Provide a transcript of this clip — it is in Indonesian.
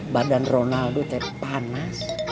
badan ronaldo teh panas